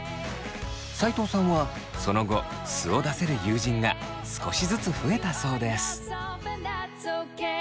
齋藤さんはその後素を出せる友人が少しずつ増えたそうです。